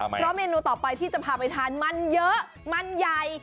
เพราะเมนูต่อไปที่จะพาไปทานมันเยอะมันใหญ่